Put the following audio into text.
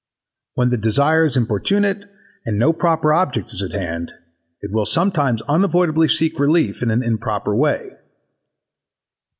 When the desire is importunate and no proper object is at hand it will sometimes unavoidably seek relief in an improper way.